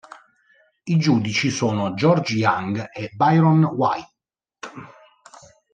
I giudici sono George Young e Byron Waite.